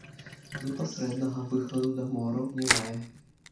Непасрэднага выхаду да мораў не мае.